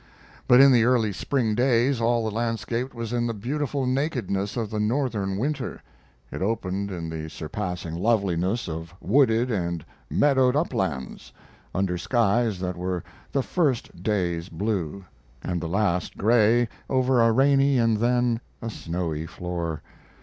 But in the early spring days all the landscape was in the beautiful nakedness of the Northern winter. It opened in the surpassing loveliness of wooded and meadowed uplands, under skies that were the first days blue, and the last gray over a rainy and then a snowy floor.